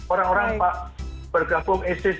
orang orang bergabung isis